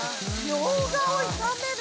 ミョウガを炒める！